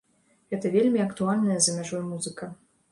Гэта вельмі актуальная за мяжой музыка.